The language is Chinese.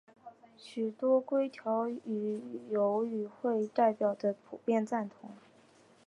许多规条有与会代表的普遍赞同。